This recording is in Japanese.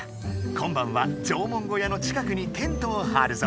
今晩は縄文小屋の近くにテントをはるぞ。